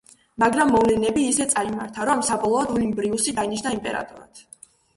მაგრამ მოვლენები ისე წარიმართა, რომ საბოლოოდ ოლიბრიუსი დაინიშნა იმპერატორად.